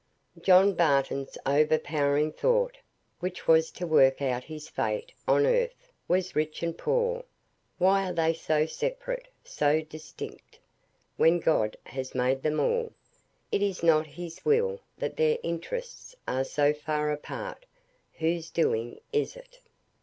John Barton's overpowering thought, which was to work out his fate on earth, was rich and poor; why are they so separate, so distinct, when God has made them all? It is not His will, that their interests are so far apart. Whose doing is it?